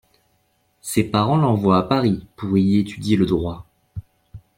Ses parents l’envoient à Paris pour y étudier le droit.